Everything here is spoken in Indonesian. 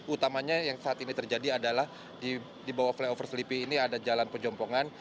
utamanya yang saat ini terjadi adalah di bawah flyover sleepy ini ada jalan pejompongan